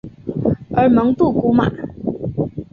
而蒙杜古马。